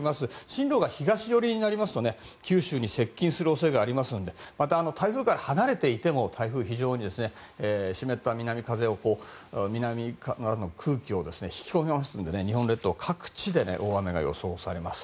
進路が東寄りになりますと九州に接近する恐れがありますからまた、台風から離れていても台風は湿った南からの空気を引き込みますので日本列島各地で大雨が予想されます。